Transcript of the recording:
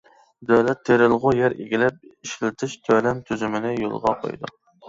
دۆلەت تېرىلغۇ يەر ئىگىلەپ ئىشلىتىش تۆلەم تۈزۈمىنى يولغا قويىدۇ.